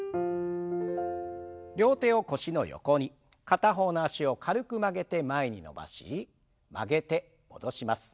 片方の脚を軽く曲げて前に伸ばし曲げて戻します。